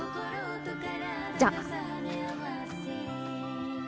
じゃあ。